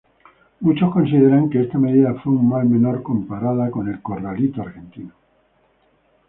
Muchos consideran que esta medida fue un mal menor, comparada con el "corralito" argentino.